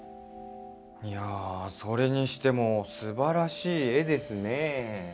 いやそれにしても素晴らしい絵ですね。